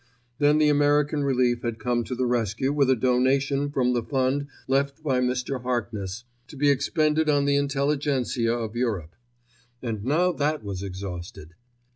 Then the American Relief had come to the rescue with a donation from the fund left by Mr. Harkness to be expended on the Intelligencia of Europe. And now that was exhausted.